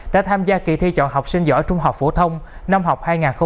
đã tham gia kỳ thi chọn học sinh giỏi trung học phổ thông năm học hai nghìn hai mươi hai nghìn hai mươi